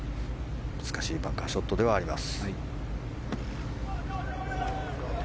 難しいバンカーショットではあります。